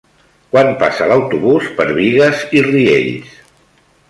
Quan passa l'autobús per Bigues i Riells?